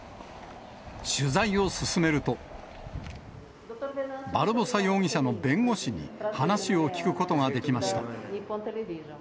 取材を進めると、バルボサ容疑者の弁護士に話を聞くことができました。